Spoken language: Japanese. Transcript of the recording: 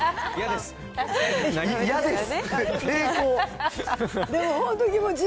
嫌です？